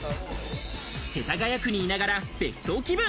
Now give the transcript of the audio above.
世田谷区にいながら、別荘気分。